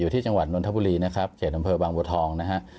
อยู่ที่จังหวัดนนทบุรีนะครับเกียรติบังบุทองนะฮะ